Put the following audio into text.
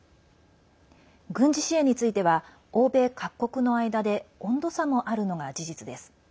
軍事支援については欧米各国の間で温度差もあるのが事実です。